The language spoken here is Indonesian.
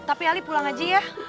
tapi ali pulang haji ya